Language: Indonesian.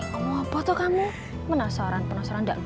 ngomong apa tuh kamu penasaran penasaran dah